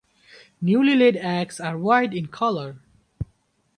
Newly laid eggs are white in color.